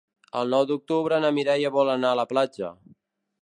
El nou d'octubre na Mireia vol anar a la platja.